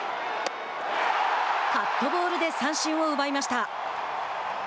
カットボールで三振を奪いました。